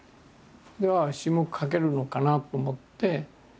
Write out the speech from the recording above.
詩も書けるのかなと思って。